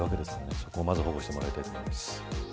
そこまで保護してもらいたいと思います。